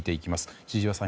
千々岩さん